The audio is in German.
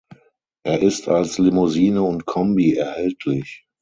Er ist als Limousine und Kombi erhältlich.